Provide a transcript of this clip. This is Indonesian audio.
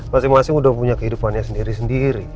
masing masing udah punya kehidupannya sendiri sendiri